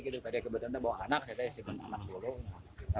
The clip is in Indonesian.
kalau ada kebetulan bawa anak saya tarik isi anak dulu